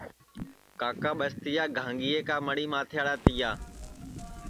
کاکا ٻستِیا گھانٚگِئے کا مٹؔی ماتھیڑا تِیا